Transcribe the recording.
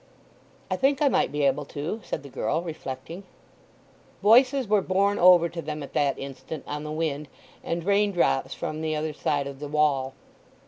"I think I might be able to," said the girl, reflecting. Voices were borne over to them at that instant on the wind and raindrops from the other side of the wall.